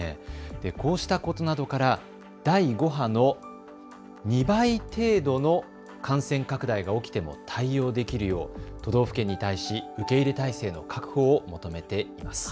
こうしたことなどから第５波の２倍程度の感染拡大が起きても対応できるよう都道府県に対し受け入れ体制の確保を求めています。